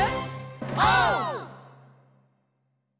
オー！